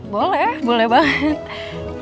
boleh boleh banget